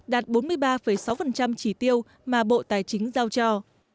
đạt bốn mươi ba sáu chỉ tiêu mà bộ tài chính giao cho